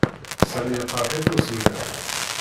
Sami yeqreḥ-it usemmiḍ.